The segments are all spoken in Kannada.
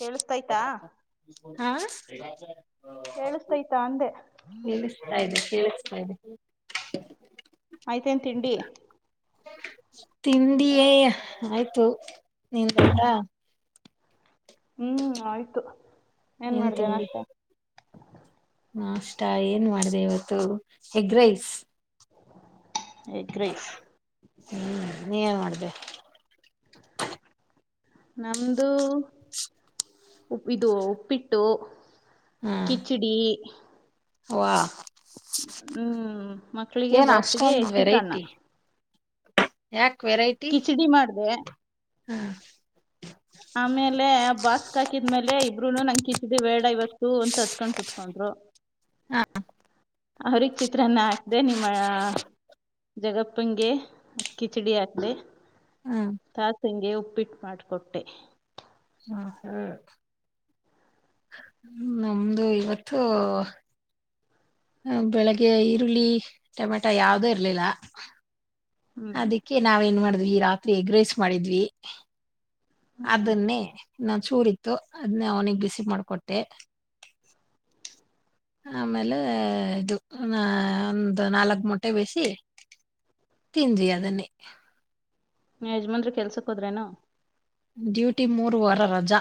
ಕೇಳಿಸತೈತಾ ಹಾ ಕೇಳಿಸತೈತಾ ಅಂದೆ ಕೆಸ್ತಾ ಇದೆ ಕೇಳಿಸ್ತಾ ಇದೆ. ಆಯ್ತೇನ್ ತಿಂಡಿ ತಿಂಡಿಯೇ ಆಯ್ತು ನಿನ್ಟ ಹ್ಮ್ ಆಯ್ತು ಏನ್ ಮಾಡ್ದೇನ ನಾಷ್ಟಾ? ನ ಅಷ್ಟ ಏನ್ ಮಾಡಿದೆ ಇವತ್ತು ಏಗ್ ರೈಸ್ ಎಗ್ ರೈಸ್ ನೀೇನ್ ಮಾಡ್ದ? ನಮ್ದು [unintelligible] ಉ ಇದು ಉಪ್ಪಿಟ್ಟು ಹ್ಮ್ ಕಿಚಡಿ ವಾ ಹ್ಮ್ ಮಕ್ಳಿಗೆ ಬಾಕ್ಸ್ಗೆ ಚಿತ್ರನ್ನ ಯ ಕಿಚಡಿ ಮಾಡ್ದ ಹಾ ಆಮೇಲೆ ಆ ಬಾಕ್ಸ್ ಹಾಕಿದ್ಮೇಲೆ ಇಬ್ರುನು ನಂ ಕಿಚಿದ ಬೇಡ ಇವತ್ತು ಅಂತ ಹತ್ಕೊಂಡ್ ಕುತ್ಕೊಂಡ್ರು ಹ ಹಾ ಅವ್ರಗ್ ಚಿತ್ರಾನ್ನ ಹಾಕ್ದೆ ನಿಮ್ಮಳ ಜಗಪ್ಪಂಗೆ ಕಿಚಡಿ ಹಾಕ್ಲೆ ಹ್ಮ್ ತಾಸಂಗೆ ಉ ರಿಪೀಟ್ ಮಾಡಿಕೊಟ್ಟೆ ಹ ಹ ನಮ್ದು ಇವತ್ತು ಹ ಬೆಳಿಗ್ಗೆ ಈರುಳ್ಳಿ ಟೊಮೆಟೊ ಯಾವದೇ ಇರ್ಲಿಲ್ಲ ಹ್ಮ್ ಅದಕ್ಕೆ ನಾವ್ ನ್ ಮಾಡಿದ್ವಿ ರಾತ್ರಿ ಎಗ್ರೇಸ್ ಮಾಡಿದ್ವಿ ಹ ಅದನ್ನೇ ಇನ್ನು ಚೂರ್ ಇತ್ತು ಅದನ್ನ ಅವನಿಗೆ ಬಿಸಿ ಮಾಡ್ಕೊಟ್ಟೆ ಆಮೇಲೆ ಇದು ಒಂದು್ ನಾಲ್ಕ್ ಮೊಟ್ಟೆ ಬೇಯಿಸಿ ತಿಂದ್ರಿ ಅದನ್ನೇ ಯಜ್ಮಾನ್ರಿ ಕೆಲ್ಸಕ್ ಹೋದ್ರೇನ ಡ್ಯೂಟಿ ಮೂರು ವಾರ ರಜಾ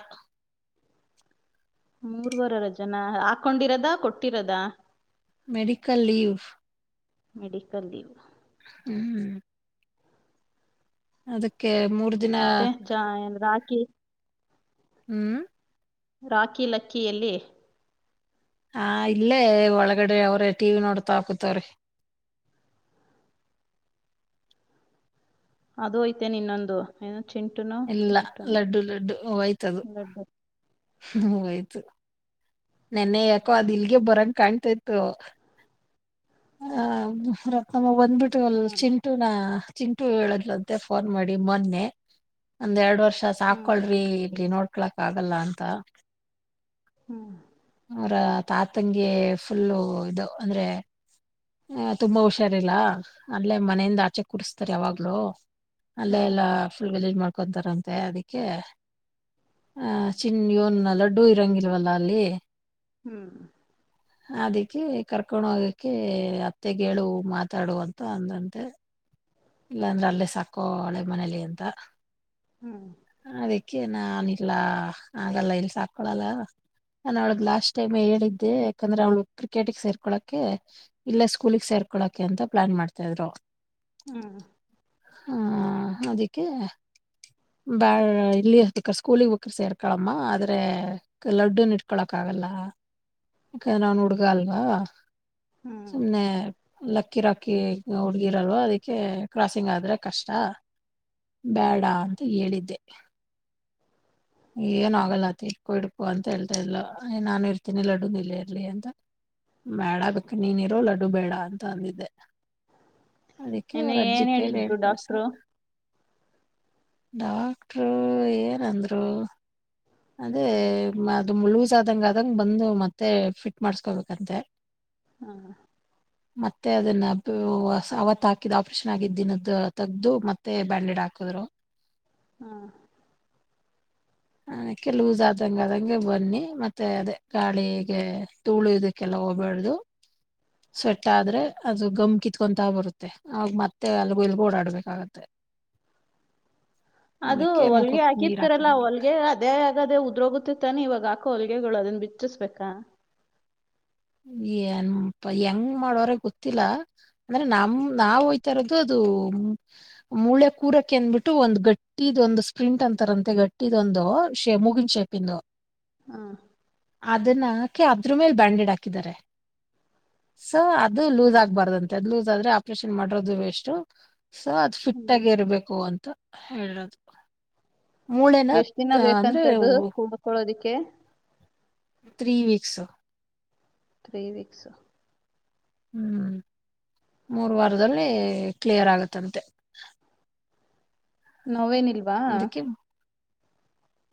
ಮೂರ್ವರರ ಜನ ಹಾಕೊಂಡಿರದ ಕೊಟ್ಟಿರದ ಮೆಡಿಕಲ್ ಲೀವ್ ಮೆಡಿಕಲ್ ಲೀವ್ ಹ್ಮ್ ಅದಕ್ಕೆ ಮೂರ್ ದಿನ ಮತ್ತೆ ಜಾ ರಾಖಿ ಹ್ಮ್ ರಾಖಿ ಲಕ್ಕಿಯಲ್ಲಿ ಹಾ ಇಲ್ಲೇ ಒಳಗಡೆ ಅವ್ರೆ ಟಿ ವಿ ನೋಡ್ತಾ ಹಾಕತವ್ರಿ [unintelligible] ಅದು ಯ್ತೆ ನಿನ್ನೊಂದು ಏ ಎಲ್ಲ ಲಡ್ಡು ಲಡ್ಡು ಹೂಯ್ತದು ಲಡ್ಡು ಹೂಯ್ತು ನೆನ್ನೆ ಯಾಕೋ ಅದ್ ಇಲ್ಗೆ ಬರಂಗ ಕಾಣ್ತತ್ತು ಹ ರಮ್ಮ ಬಂದ್ಬಿಟ್ಟು ಅಲ್ ಹಾಂ ಚಿಂಟುನಾ ಚಿಂಟು ಹೇಳದ್ಂತೆ ಫೋನ್ ಮಾಡಿ ಮೊನ್ನೆ ಒಂದ್ ಎರಡ್ ವರ್ಷ ಹ್ಞೂ ಸಾಕಳ್ರಿ ಇರಿ ನೋಡಿ ಹಕ್ಳಕ್ ಆಗಲ್ಲ ಅಂತ ಹ್ಮ್ ಅವರ ತಾತಂಗಗೆ ಫುಲ್ಲು ಇದು ಅಂದ್ರೆ ಹ ತುಂಬಾ ಹುಷಾರಿಲ್ಲ ಅಲ್ಲೇ ಮನೆಯಿಂದ ಆಚೆ ಕೂಡಸ್ ಯಾವಾಗ್ಲೂ ಅಲ್ಲೇ ಹಾಂ ಎಲ್ಲಾ ಫುಲ್ ವಲೀಜ ಮಾಡ್ಕೊತಾರಂತೆ ಅದಿಕ್ಕೆ ಆ ಚಿಣ ನ್ ಲಡ್ಡು ಇರಂಗಿಲ್ವಲ್ಲ ಅಲ್ಲಿ ಹ್ಮ್ ಅದಕ್ಕೆ ಕರ್ಕೊಂಡ ಹೋಗಕ್ಕೆೆ ಅತ್ತೆಗೇಳುವ ಮಾತಾಡುವಂತ ಅಂದಂತೆ ಇಲ್ಲಾಂದ್ರೆ ಅಲ್ಲೇ ಸಾಕು ಹಳೆ ಮನೇಲಿ ಅಂತ ಹ್ಮ್ ಅದಕ್ಕೆ ನಾನ್ ಇಲ್ಲಾ ಹಾಗಲ್ಲ ಇಲ್ ಸಾಕೊಳಲ್ಲ ನಾನ್ ಅವಳಗ್ ಲಾಸ್ಟ್ ಟೈಮ್ ಹೇಳಿದ್ದೆ ಯಾಕಂದ್ರೆ ಅವಳು ಕ್ರಿಕೆಟಗ್ ಸೇರ್ಕೊಳೆ ಇಲ್ಲ ಸ್ಕೂಲಗ್ ಸೇರ್ಕೊ ಕೊಳಕೆ ಅಂತ ಪ್ಲಾನ್ ಮಾಡ್ತಾ ಇದ್ರು ಹ್ಮ್ ಹಾ ಅದಕ್ಕೆ ಬಾಳ್ ಇಲ್ಲಿಬೇಕ್ರ ಸ್ಕೂಲಗ್ ಸೇರ್ಕಳಮ್ಮ ಆದ್ರೆ ಲಡ್ಡುನ ಇಟ್ಕೊಳಕ್ ಆಗ ಲ್ಲಕ ನಾನ್ ಹುಡ್ಗ ಅಲ್ವಾ ಹ್ಞೂ ಸುಮ್ನೆ ಲಕ್ಕಿ ರಾಕ್ಕಿ ಹುಡ್ಗಿರಲ್ವ ಅದಕ್ಕೆ ಕ್ರಾಸಿಂಗ್ ಆದ್ರೆ ಕಷ್ಟ ಬೇಡ ಅಂತ ಹೇಳಿದ್ದೆ. ಏನ ಆಗಲ್ಲತ್ ಇಟ್ಕು ಇಡ್ಕು ಅಂತ ಹೇಳ್ತಾ ಇಲ್ಲ ನಾನ ಇರ್ತೀನಿ ಲಡ್ಡುನು ಇಲ್ಲೇ ಇರ್ಲಿ ಅಂತ ಬ್ಯಾಡ ಬೇಕ ನೀನ್ ಇರೋ ಲಡ್ಡು ಬೇಡ ಅಂತ ಅಂದಿದ್ದೆ ಅದಕ್ಕೆ ಇನ್ನು ಅವ್ರ ಏನು ಅಜ್ಜಿಕೈ ಲ್ಲಿ ಹೇಳಿದ್ರು ಹೇಳ್ ಕಳ್ಸ ಡಾಕ್ಟ್ರು ಡಾಕ್ಟರು ಏನಂದ್ರು ಅದೇ ಅದು ಲೂಸ್ ಆದಂಗ ಆದಂಗ್ ಬಂದು ಮತ್ತೆ ಫಿಟ್ ಮಾಡಸ್ಕೊಬೇಕಂತೆ ಹ್ಮ ಮತ್ತೆ ಅದನ್ನ ಅವತ್ ಹಾಕಿದ ಆಪರೇಷನ್ ಆಗಿದ್ದಿನದದು ತಗ್ದು ಮತ್ತೆ ಬ್ಯಾಂಡೇಡ್ ಹಾಕಿದ್ರು ಹ್ಮ ಹ ಅಕ್ಕೆ ಲೂಸ್ ಆದಂಗ ಅದಂಗೆ ಬನ್ನಿ ಮತ್ತೆ ಅದೇ ಗಾಳಿಗೆ ದೂಳು ಇದಕ್ಕೆಲ್ಲ ಹೋಗ್ಬ್ಯಾಡ್ದು ಹ ಸ್ವೆಟ್ ಆದ್ರೆ ಅದು ಗಮ್ ಕಿತ್ಕೊಂತ ಬರುತ್ತೆ ಅವಾಗ ಮತ್ತೆ ಅಲ್ಗು ಇಲ್ಗು ಓಡಾಡ್ಬೇಕಾಗತ್ತೆ. ಅದು ಅದಕ್ಕೆ ಹೊಲ್ಗೆ ಮುಖಕ್ಕೆ ನೀರ್ ಹಾಕಿರ್ತರಲ್ಲ ಹಾಕಂಗಿಲ್ಲ ಹೊಲ್ಗೆ ಅ ಅದೇ ಆಗದೇ ಉದ್ರೋಗುತ್ತೆ ತಾನೆ ಇವಾಗ ಹಾಕೋ ಹೊಲಿಗೆಗಳು ಅದನ್ನ ಬಿಚ್ಚಿಸ್ಬೇಕಾ ಏನ್ ಹೆಂಗ್ ಮಾಡೋರ ಗೊತ್ತಿಲ್ಲಾ ಅಂದ್ರೆ ನಮ ನಾ ಹೋಯ್ತಾ ಇರೋದು ಅದು ಮೂಳೆ ಕೂರಕ್ಕೆ ಅಂದಬಿಟ್ಟು ಒಂದ್ ಗಟ್ಟಿ ಇದೊಂದು ಸ್ಪ್ರಿಂಟ್ ಅಂತಾರಂತೆ ಗಟ್ಟಿ ಇದೊಂದು ಶೇ ಮೂಗಿನ್ ಶೇಪಂದು ಹಾ ಅದನ್ನಹಾಕೆ ಅದ್ರ ಮೇಲೆ ಬ್ಯಾಂಡೆಡ್ ಹಾಕಿದ್ದಾರೆ ಸೊ ಅದು ಲೂಸ್ ಆಗ್ಬಾರ್ದಂತೆ ಅದು ಲೂಸ್ ಆದ್ರೆ ಆಪ್ರೇಷನ್ ಮಾಡಿರೋದು ವೇಷ್ಟು ಸೊ ಅದ್ ಹ್ಞೂ ಫಿಟ್ ಆಗಿ ಇರ್ಬೇಕು ಅಂತ ಹೇಳೋದು ಎಷ್ಟ ದಿನ ಬೇಕಂತದು ಕೂಡ್ಕೊಳ್ಳೋದಿಕ್ಕೆ ತ್ರೀ ವೀಕ್ಸ್ ತ್ರೀ ವೀಕ್ಸ್ ಹ್ಮ್ ಮೂರ್ ವಾರದಲ್ಲಿ ಕ್ಲಿಯರ್ ಆಗತ್ತಂತೆ ನೋವೇನಿಲ್ವಾ ಅದಕ್ಕೆ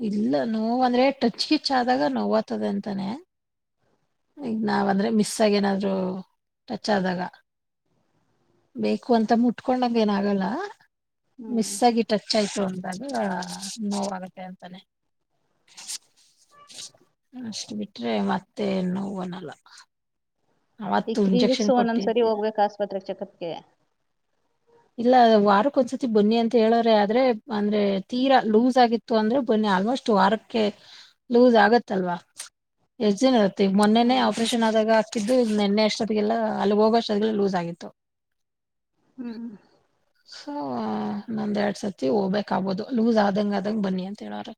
ಇಲ್ಲ ನೋವ ಅಂದ್ರೆ ಟಚ್ ಕಿಚ್ ಆದಾಗ ನೋವ್ತದೆ ಅಂತಾನೆ ಈಗ ನಾವ ಅಂದ್ರೆ ಮಿಸ್ ಆಗ ಏನಾದ್ರು ಟಚ್ ಆದಾಗ ಬೇಕು ಅಂತ ಮುಟ್ಕೊಂಡಂಗ ಏನ ಆಗಲ್ಲ ಹ್ಮ್ ಮಿಸ್ ಆಗಿ ಟಚ್ ಆಯ್ತು ಹಾಗಾಗಿ ನೋವಾಗತ್ತೆ ಅಂತಾನೆ ಅಷ್ಟ್ ಬಿಟ್ರೆ ಮತ್ತೆ ನೋವನಲ್ಲ ಈಗ ತ್ರೀ ವೀಕ್ಸ್ ಒಂದೊಂದ್ ಸರಿ ಹೋಗ್ಬೇಕ ಆಸ್ಪತ್ರೆ ಚೆಕಪ್ ಗೆ ಇಲ್ಲ ವಾರಕ್ಕ ಒಂದ್ಸತಿ ಬನ್ನಿ ಅಂತ ಹೇಳವ್ರೆ ಆದ್ರೆ ಅಂದ್ರೆ ತೀರಾ ಲೂಸ್ ಆಗಿತ್ತು ಅಂದ್ರೆ ಬನ್ನಿ ಆಲ್ಮೋಸ್ಟ್ ವಾರಕ್ಕೆ ಲೂಸ್ ಆಗುತ್ತಲ್ವಾ ಎಷ್ಟ ಮೊನ್ನೆನೆ ಹ್ಮ್ ಆಪರೇನ್ ಆದಾಗ ಇದು ನಿನ್ನೆ ಅಷ್ಟೊತ್ತಿಗೆಲ್ಲ ಅಲ್ಲಿಗೆ ಹೋಗೋಷ್ಟದಲ್ಲ ಲೂಸ್ ಆಗಿತ್ತು ಹ್ಮ್ ಸೊ ಇನ್ನೊಂದ್ ಎರಡ್ ಸತಿ ಹೋಗ್ಬೇಕಕ್ ಆಗ್ಬೋದು ಲೂಸ್ ಆದಂಗ ಆದಂಗ್ ಬನ್ನಿ ಅಂತ ಹೇಳ್ರ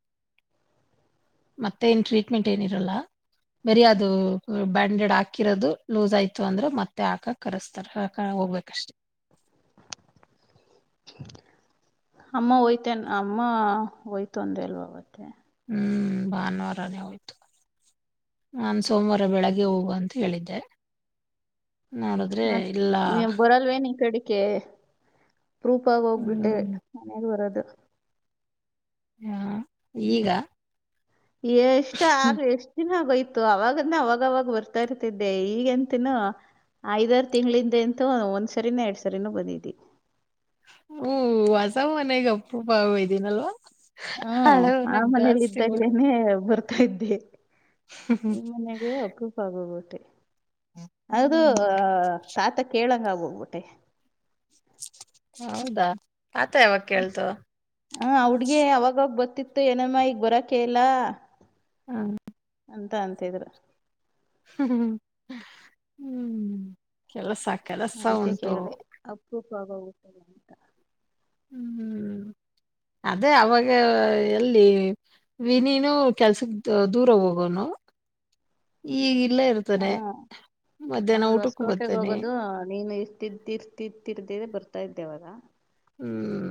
ಮತ್ತೇ ನ್ ಟ್ರೀಟ್ಮೆಂಟ್ ಏನಿರಲ್ಲ ಬರಿ ಅದು ಬ್ಯಾಂಡೆಡ್ ಹಾಕಿರೋದು ಲೂಸ್ ಆಯ್ತು ಅಂದ್ರೆ ಮತ್ತೆ ಹಾಕಕ್ ಕರೆಸ್ತಾರ ಹೋಗ್ಬೇಕಷ್ಟೇ ಅಮ್ಮ ಹೋಯ್ತನ್ ಅಮ್ಮ ಹೋಯ್ತು ಅಂದ ಎಲ್ವಾಗತ್ತೆ ಹ್ಮ್ ಭಾನುವಾರಾನೇ ಹೋಯ್ತು ನಾನು ಸೋಮವಾರ ಬೆಳಗ್ಗೆ ಹೋಗುವ ಅಂತ ಹೇಳಿದ್ದೆ ನೋಡಿದ್ರೆ ಮತ್ತ್ ಇಲ್ಲ ನೀ ಬರಲ್ವೇನ್ ಈ ಕಡಿಕೆ ಪ್ರೂಫ್ ಆಗಿ ಹೋಗ್ಬಿಟ್ಟೆ ಹ್ಮ್ ಮನೆಗೆ ಬರೋದು ಹಾ ಈಗ ಎಷ್ಟ್ ಆಗ ಎಷ್ಟ್ ದಿನ ಬೖ ತ್ತು ಅವಾಗಂದ ಅವಾಗವಾಗ ಬರ್ತಾ ಇರ್ತಿದ್ದೆ ಈಗಂತನೂ ಐದಾರು ತಿಂಗಳಿಂದ ಅಂತು ಒಂದ್ ಸರಿನೊ ಎರಡ್ ಸರಿನೊ ಬಂದಿದ್ವಿ. ಹ್ಮ್ ಹೊಸಾ ಮನೆಗೆ ಅಪ್ರೂಪ ಆಗೋದ್ದೀನಲ್ವ. ಹ್ಮ ಆ ಮನೇಲಿ ಬರು ಇದ್ದಾಗೇನೆ ಬರ್ತಾ ಇದ್ದೆ. ಈ ಮನೆಗೆ ಅಪ್ರೂಪ ಆಗೋಬಿಟ್ಟಿ. ಅದು ಹ್ಮ್ ತಾತ ಕೇಳಂಗ ಆಗ್ಹೋಗ್ಬಿಟ್ಟೆ. ಹೌದಾ ಆತ ಯಾವಾಗ ಕೇಳ್ತು ಹ ಹುಡ್ಗಿ ಅವಾಗಾಗ ಬರ್ತಿತ್ತು ಏನಮ್ಮ ಈಗ್ ಬರಕೇ ಇಲ್ಲ. ಹಾ ಅಂತ ಅಂತಿದ್ರು. ಹ್ಮ ಹ್ಮ್ ಕೆಲಸಾ ಕೆಲಸ ಅದಕ್ಕೆ ಉಂಟು. ಕೇಳ್ದೆ [unintelligible] ಹ್ಮ್ ಅದೇ ಅವಾಗ ಎಲ್ಲಿ ವಿನೀನು ಕೆಲ್ಸಕ್ ದೂರ ಹೋಗೋನು ಈಗ್ ಇಲ್ಲೇ ಹ ಇರ್ತಾನೆ ಮಧ್ಯಾಹ್ನ ಊಟಕ್ಕೂ ಬರ್ತಾನೆ. ತಿರ್ತ ತಿರ್ದ ಬರ್ತಾ ಇದ್ದೇ ಅವಾಗ. ಹ್ಮ್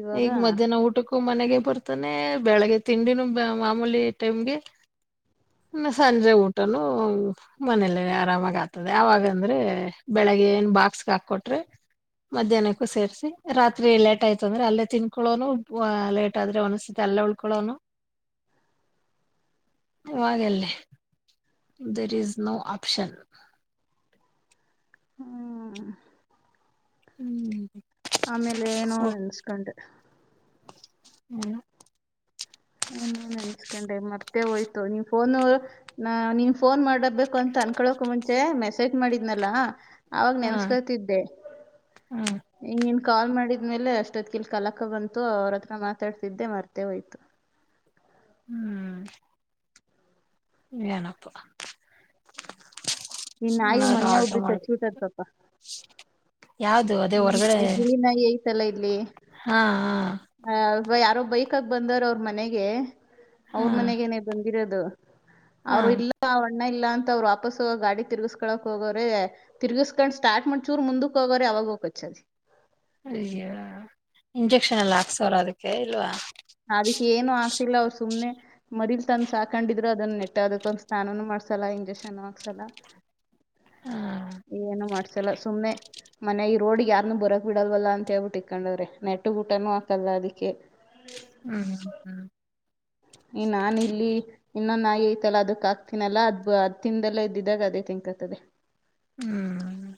ಇವಾಗ ಈಗ್ ಮಧ್ಯಾಹ್ನ ಊಟಕ್ಕೂ ಮನೆಗೆ ಬರ್ತಾನೆ ಬೆಳಿಗ್ಗೆ ತಿಂಡಿನೂ ಮಾಮೂಲಿ ಟೈಮ್ಗೆ. ಸಂಜೆ ಊಟನೂ ಮನೇೆಲ್ಲೇ ಆರಾಮಾಗ ಆಗ್ತದೆ ಯಾವಾಗ ಅಂದ್ರೆ ಬೆಳಿಗ್ಗೆ ಏನ್ ಬಾಕ್ಸ್ಗ ಹಾಕಕ್ಕೊಟ್ರೆ. ಮಧ್ಯಾಹ್ನಕ್ಕೂ ಸೇರ್ಸಿ ರಾತ್ರಿ ಲೇಟ್ ಆಯ್ತ ಅಂದ್ರೆ ಅಲ್ಲೇ ತಿನ್ಕೊಳ್ಳೋನು ಲೇಟ್ ಆದ್ರೆ ಒನ್ನೊನ್ಸತ ಅ ಅಲ್ಲೇ ಉಳ್ಕೊಳ್ಳೋನು. ಇವಾಗಲ್ಲಿ ದೆರ್ ಈಸ್ ನೋ ಆಪ್ಷನ್. ಹ್ಮ ಹ್ಮ್ ಹ ಆಮೇಲೆ ಏನೋ ನೆನ್ಸ್ಕೊಂಡೆ. ಹ್ಮ್ ಏನೋ ನೆನ್ಸ್ಕೊಂಡೆ ಮರ್ತೇ ಹೋಯ್ತು ನೀವ್ ಫೋನು ನೀನ್ ಫೋನ್ ಮಾಡಬೇಕು ಅಂತ ತನ್ಕೊಳಕೃ ಮುಂಚೆ ಮೆಸೇಜ್ ಮಾಡಿದ್ನಲ್ಲ. ಅವಾಗ ಹಾ ನೆನಸ್ಕೊತಿದ್ದೆ ಹ್ಮ ಹಿ ಕಾಲ್ ಮಾಡಿದ್ಮೇಲೆ ಅಷ್ಟೊಗಿಲ್ ಕಲಕ್ಕ ಬಂತು ಅವ್ರ ಹತ್ರ ಮಾತಾಡ್ತಿದ್ದೆ ಮರ್ತೆ ಹೋಯ್ತು. ಹ್ಮ್ ಏನೋಪ್ಪ. ನೀನ್ ನಾಯಿ ಮೊನ್ನೆ ಒಬ್ಬಿರಿಗ್ ಕಚ್ಬಿಟ್ಟೖತ್ ಪಾಪ. ಯಾವ್ದು ಅದೇ ಹ ಹೊರ್ಗಡೆ ಇ ಬಿಳಿನಾಯಿ ಐತಲ್ಲ ಇಲ್ಲಿ ಹಾ ಹಾ ಆ ಯಾರೋ ಬೈಕ್ಗ ಬಂದಾರ ಅವ್ರ್ ಮನೆಗೆ ಹಾ ಅವ್ರ್ ಮನೆಗೇನೆೇ ಬಂದಿರೋದು. ಹಾ ಅವರು ಇಲ್ಲ ಅವ ಣ್ಣ ಇಲ್ಲ ಅಂತ ಅವ್ರು ವಾಪಸ್ ಹೋಗಕ್ ಗಾಡಿ ತಿರ್ಗಿಸ್ಕೊಳಕ್ ಹೋಗೋರೆ ತಿರುಗಸ್ಕೊಂಡ್ ಸ್ಟಾರ್ಟ್ ಮಾಡ್ ಚೂರ್ ಮುಂದಕ್ ಹೋಗೋರೆ ಅವಾಗ ಬಚ್ಚ ಅಯ್ಯ ಇಂಜೆಕ್ಷನ್ ಎಲ್ಲ ಹಾಕ್ಸವ್ರ ಅದಕ್ಕೆ ಇಲ್ವಾ? ಮರಿಗ್ ತಂದ್ ಸಾಕೊಂಡಿದ್ರು ಅದನ್ನ ನೆಟ್ಟ ಅದಕ್ಕೊಂದ ಸ್ನಾನನು ಮಾಡ್ಸಲ್ಲ ಇಂಜೆಕ್ಷನ್ ಹಾಕ್ಸಲ್ಲ. ಹ್ಮ್ ಏನು ಮಾಡ್ಸಲ್ಲ ಸುಮ್ನೆ ಮನೆ ಈ ರೋಡ್ಗ್ ಯಾರ್ನು ಬರಕ್ ಬಿಡಲ್ವಲ್ಲ ಅಂತ ಹೇಳ್ಬಿಟ್ಟು ಇಕೊಂಡವ್ರೆ ನೆಟ್ಟಿಗ್ ಊಟನೂ ಹಾಕಲ್ಲ ಅದಿಕ್ಕೆ. ಹ್ಮ್ ಹ್ಮ ಹ್ಮ್ ಈ ನಾ ಇಲ್ಲಿ ಇನ್ನೊ ನಾಯಿ ಐತಲ್ಲಾ ಅದಕ್ ಆಕ್ತೀನಲ್ಲಾ ಅದ್ ಅದ್ ತಿನ್ದಲ್ಲೇ ಇದ್ದಿದ್ದಾಗ ಅದೇ ತಿನ್ ತದೆ ಹ್ಮ್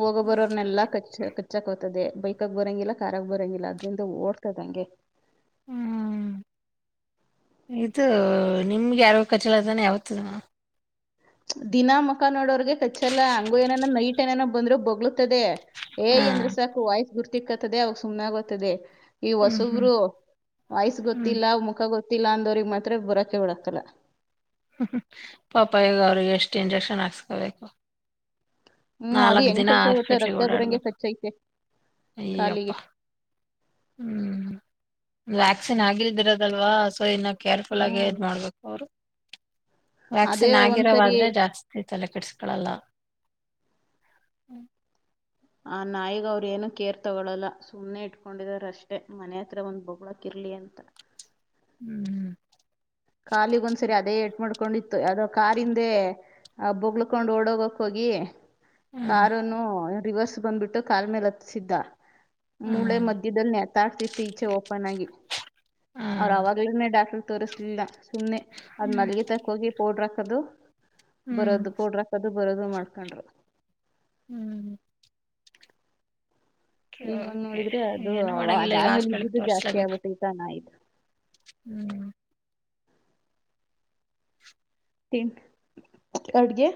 ಹೋಗ ಬರೋರ್ನ್ನೆಲ್ಲಾ ಕಚ್ಚ ಚ್ಚಕ್ ಹತದೆ ಬೈಕಾಗ ಬರೋಂಗಿಲ್ಲ ಕಾರಾಗ ಬರಂಗಿಲ್ಲ ಅದ್ರಿಂದ ಓಡ್ತದಂಗೆ ಹ್ಮ್ ಇದು ನಿಮ್ಗೆ ಯಾರು ಕಚ್ಚಿಲ್ಲ ತಾನೆ ಯಾವತ್ತುನು ದಿನಾ ಮುಖ ನೋಡೋರ್ಗೆ ಕಚ್ಚಲ್ಲ ಹಂಗ ಏನನೋ ನೈಟ್ ಏನೇನೋ ಬಂದ್ರು ಬಗ್ಲತದೆ ಹಾ ಏಯ್ ಅಂದ್ರೆ ಸಾಕು ವಾಯ್ಸ್ ಗುರ್ತಿಕ್ಕತದೆ ಅವಾಗ ಸುಮ್ ಆಗತದೆ ಈ ಹ್ಮ್ ಹ್ಮ್ ಹೊಸಬ್ರು ವಯ್ಸ್ ಹ್ಮ್ ಗೊತ್ತಿಲ್ಲ ಮುಖ ಗೊತ್ತ ಗೊತ್ತಿಲ್ಲ ಅಂದೋರಿಗೆ ಮಾತ್ರ ಬರೋಕೆ ಉಳಾಕಲ್ಲ ಹ್ಮ ಪಾಪ ಈಗ ಅವ್ರಿಗೆ ಎಷ್ಟು ಇಂಜೆಕ್ಷನ್ ಹಾಕ್ಸ್ಕೊಬೇಕು ಹ್ಮ್ ಅದು ಹೆಂಗ್ ಕಚ್ಚೈತೆ ಗೊತ್ತಾರಕ್ತ ಬರಂಗೆ ಓಡಾಡ್ಬೇಕು ಕಚ್ಚೈತೆ ಅಯ್ಯಪ್ಪ ಕಾಲಿಗೆ ಹ್ಮ್ ವ್ಯಾಕ್ಸಿನ್ ಆಗಿದ್ದಿರೋದಲ್ವಾ ಸೊ ಏನ ಕೇರ್ಫುಲ್ ಆಗಿ ಅ ಹ್ಮ್ ಮಾಡ್ಬೇಕು ಅವ್ರು ಅದೇ ವ್ಯಾಕ್ಸಿನ್ ಒಂದ್ಸರಿ ಆಗಿರೋವಾದ್ರೆ ಜಾಸ್ತಿ ತಲೆಕಡ್ಸ್್ಕಳಲ್ಲ ಹ್ಮ್ ಆ ನಾಯಿಗ ಅವ್ರು ಏನು ಕೇರ್ ತೊಗೊಳಲ್ಲ ಸುಮ್ಮನೆ ಇಟ್ಕೊಂಡಿದಾರ ಅಷ್ಟೇ ಮನೆ ಹತ್ರ ಒಂದು ಬೊಗಳಕ್ ಇರಲಿ ಅಂತ ಹ್ಮ್ ಕಾಲಿಗ ಒಂದ್ ಸರಿ ಅದೇ ಎ ಮಾಡ್ಕೊಂಡಿತ್ತು ಯಾವದೋ ಕಾರಿಂದೆ ಆ ಬೊಗ್ಳ್ಕೊಂಡ್ ಓಡೋಗಕ್ ಹೋಗಿ ಹ್ಮ್ ಕಾರನು ರಿವರ್ಸ್ ಬಂದ್ಬಿಟ್ಟು ಕಾರ್ ಮೇಲೆ ಹತ್ಸಿದ್ದ ಮೂಳೆ ಹ್ಮ್ ಮಧ್ಯದಲ್ಲಿ ನೆತಾಡ್ತಿತಿ ಈಚೆ ಓಪನ್ ಆಗಿ ಅವರು ಹ್ಮ್ ಅವವಾಗ್ಲೇನೇ ಡಾ ತೋರಿಸ್ಲಿಲ್ಲ ಸುಮ್ನೆ ಅದ್ ಹ್ಮ್ ಮಲ್ಗೆ ತಕ್ಕ ಹೋಗಿ ಪೌಡ್ರ ಹಾಕದು ಹ್ಮ್ ಬರೋದು ಪೌಡ್ರ ಹಾಕದು ಬರೋದು ಮಾಡ್ಕೊಂಡರು ಹ್ಮ್್ಮ ಇವಾಗ ನೋಡಿದ್ರೆ ಅದು ಏನು ಮಾಡಂಗಿಲ್ಲ ಈಗ ಅದಾದ್ಮೇಲೆ ಹಾಸ್ಪಿಟ್ಲ್ ಇದ್ದಿದ್ದು ಜಾಸ್ತಿ ತೋರ್ಸ್ಲೇಬೇಕು ಆಗ್ಬಿಟ್ಟೈತ ನಾಯಿದು ಹ್ಮ್ ತಿಂ ಅಡ್ಗೆ